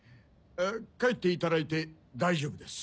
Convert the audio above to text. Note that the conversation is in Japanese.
帰っていただいて大丈夫です。